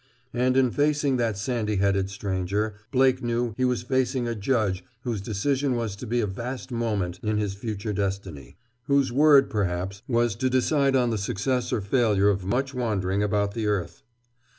And in facing that sandy headed stranger, Blake knew, he was facing a judge whose decision was to be of vast moment in his future destiny, whose word, perhaps, was to decide on the success or failure of much wandering about the earth.